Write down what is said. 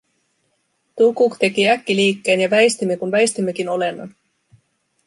Tukuk teki äkkiliikkeen ja väistimme kuin väistimmekin olennon.